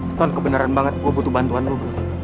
anton kebenaran banget gue butuh bantuan lu bro